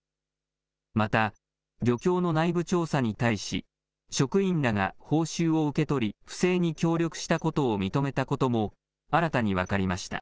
また、漁協の内部調査に対し、職員らが報酬を受け取り、不正に協力したことを認めたことも新たに分かりました。